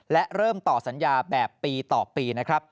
และเริ่มต่อสัญญาแบบปีต่อปีนะครับ